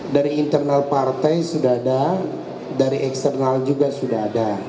dari internal partai sudah ada dari eksternal juga sudah ada